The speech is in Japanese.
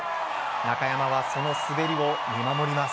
中山は、その滑りを見守ります。